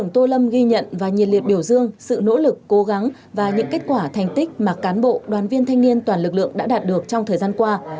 tô lâm ghi nhận và nhiệt liệt biểu dương sự nỗ lực cố gắng và những kết quả thành tích mà cán bộ đoàn viên thanh niên toàn lực lượng đã đạt được trong thời gian qua